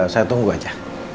saya tunggu aja